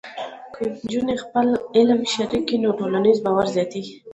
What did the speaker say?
که نجونې خپل علم شریک کړي، نو ټولنیز باور زیاتېږي.